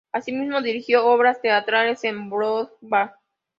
Asimismo, dirigió obras teatrales en Broadway.